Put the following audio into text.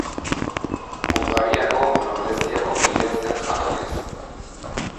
Hungariako nobleziako kidea zen jatorriz.